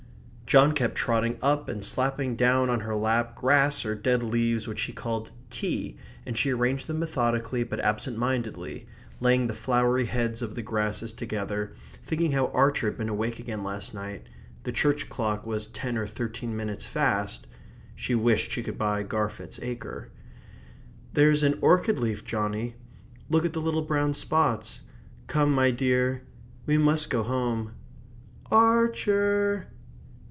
John kept trotting up and slapping down in her lap grass or dead leaves which he called "tea," and she arranged them methodically but absent mindedly, laying the flowery heads of the grasses together, thinking how Archer had been awake again last night; the church clock was ten or thirteen minutes fast; she wished she could buy Garfit's acre. "That's an orchid leaf, Johnny. Look at the little brown spots. Come, my dear. We must go home. Ar cher!